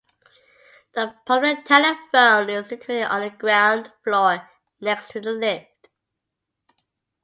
The public telephone is situated on the ground floor, next to the lift.